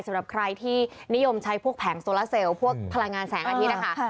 สำหรับใครที่นิยมใช้พวกแผงโซลาเซลพวกพลังงานแสงอาทิตย์นะคะ